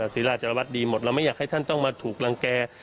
ศิราชวัตรดีหมดเราไม่อยากให้ท่านต้องมาถูกรังแก่